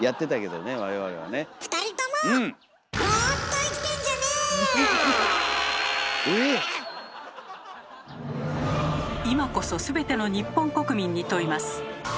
２人とも今こそすべての日本国民に問います。